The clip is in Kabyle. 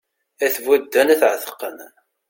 Ad t-budden ad t-εetqen